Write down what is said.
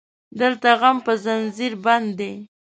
دلته غم په زنځير بند دی